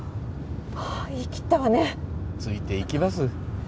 言い切ったわねついていきます